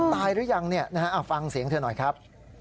หรือยังฟังเสียงเธอหน่อยครับ